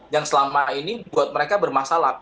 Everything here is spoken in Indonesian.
yang selama ini buat mereka bermasalah